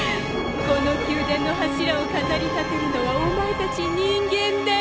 この宮殿の柱を飾り立てるのはお前たち人間だよ。